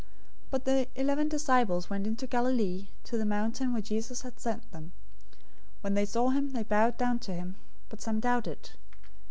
028:016 But the eleven disciples went into Galilee, to the mountain where Jesus had sent them. 028:017 When they saw him, they bowed down to him, but some doubted.